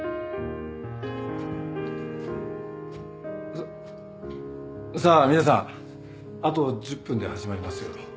さっさあ皆さんあと１０分で始まりますよ。